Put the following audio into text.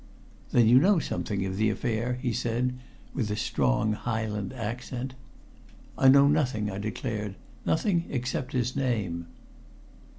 "Then you know something of the affair?" he said, with a strong Highland accent. "I know nothing," I declared. "Nothing except his name."